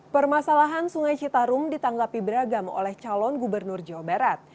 permasalahan sungai citarum ditanggapi beragam oleh calon gubernur jawa barat